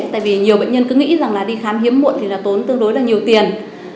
tại vì nhiều bệnh nhân cứ nghĩ rằng đi khám hiếm muộn thì tốn tương đối là nhiều tiền